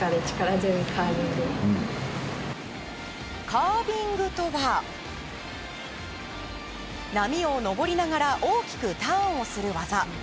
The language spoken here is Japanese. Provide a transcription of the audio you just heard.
カービングとは波を登りながら大きくターンをする技。